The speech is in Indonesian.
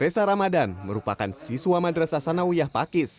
resa ramadan merupakan siswa madrasa sanawiyah pakis